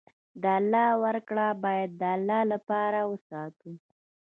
د الله ورکړه باید د الله لپاره وساتو.